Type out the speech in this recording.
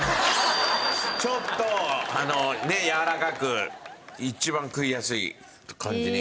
ちょっとやわらかく一番食いやすい感じに。